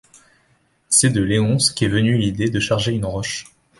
C’est de Léonce qu’est venue l’idée de charger une roche.